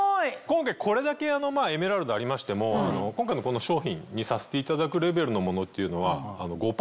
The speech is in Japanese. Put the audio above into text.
今回これだけエメラルドありましても今回のこの商品にさせていただくレベルのものっていうのは。